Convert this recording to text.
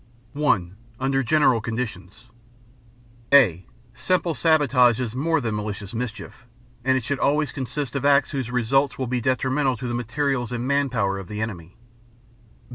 (1) Under General Conditions (a) Simple sabotage is more than malicious mischief, and it should always consist of acts whose results will be detrimental to the materials and manpower of the enemy.